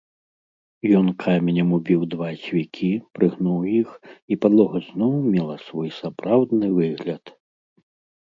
Ён каменем убіў два цвікі, прыгнуў іх, і падлога зноў мела свой сапраўдны выгляд.